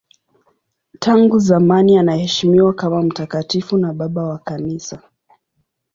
Tangu zamani anaheshimiwa kama mtakatifu na babu wa Kanisa.